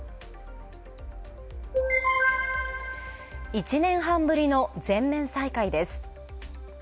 １年半ぶりの全面再開です。